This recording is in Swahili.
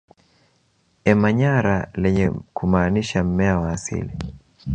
Emanyara lenye kumaanisha mmea wa asili